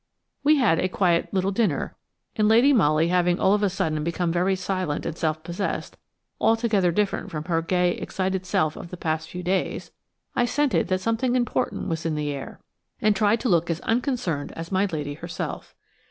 We had a quiet little dinner, and Lady Molly having all of a sudden become very silent and self possessed, altogether different from her gay, excited self of the past few days, I scented that something important was in the air, and tried to look as unconcerned as my lady herself.